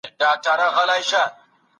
هغه دي د خاوند کور دی، ستا کور نه دی.